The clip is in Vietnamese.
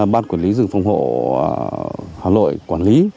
ban quản lý rừng phòng hộ hà nội quản lý